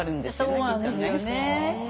そうなんですよね。